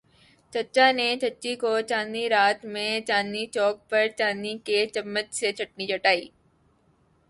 چچا نے چچی کو چاندنی رات میں چاندنی چوک پر چاندی کے چمچ سے چٹنی چٹائ۔